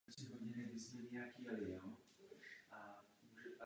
V té době začala dlouhodobá spolupráce s Divadlem Různých Jmen.